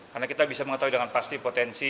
karena kita bisa mengetahui dengan pasti potensi